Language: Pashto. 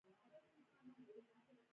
ایا زه بادام خوړلی شم؟